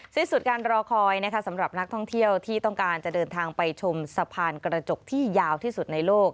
สิ้นสุดการรอคอยนะคะสำหรับนักท่องเที่ยวที่ต้องการจะเดินทางไปชมสะพานกระจกที่ยาวที่สุดในโลก